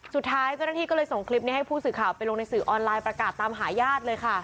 สุดท้ายเจ้าหน้าที่ก็เลยส่งคลิปนี้ให้ผู้สื่อข่าวไปลงในสื่อออนไลน์ประกาศตามหาญาติเลยค่ะ